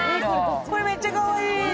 これ、めっちゃかわいい。